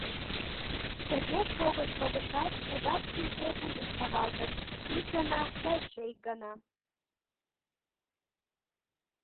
Тыге шогыш-шогышат, тудат, шижде, вуйжым савалтыш: ик гана да эше ик гана.